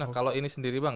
nah kalau ini sendiri bang